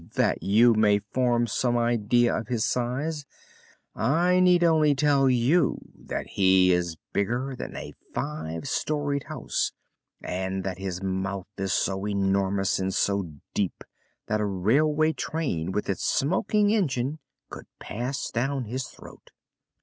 "That you may form some idea of his size, I need only tell you that he is bigger than a five storied house, and that his mouth is so enormous and so deep that a railway train with its smoking engine could pass down his throat."